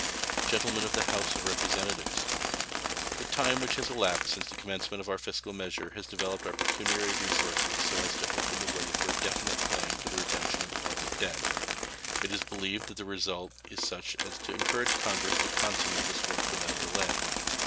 Gentlemen of the House of Representatives: The time which has elapsed since the commencement of our fiscal measures has developed our pecuniary resources so as to open the way for a definite plan for the redemption of the public debt. It is believed that the result is such as to encourage Congress to consummate this work without delay.